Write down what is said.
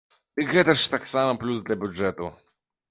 Дык гэта ж таксама плюс для бюджэту.